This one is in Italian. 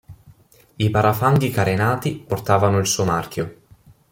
I parafanghi carenati portavano il suo marchio.